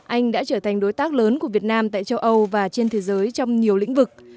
anh đã trở thành đối tác lớn của việt nam tại châu âu và trên thế giới trong nhiều lĩnh vực